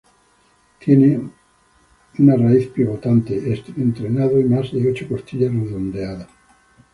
Tine una raíz pivotante entrenado y más de ocho costillas redondeadas.